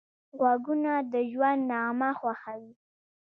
غوږونه د ژوند نغمه خوښوي